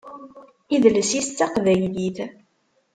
Idles-is d taqbaylit.